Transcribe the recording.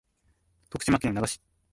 徳島県那賀町